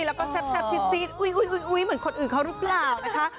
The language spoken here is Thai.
แล้วก็แซ่บซิดอุ๊ยเหมือนคนอื่นเขาหรือเปล่านะคะ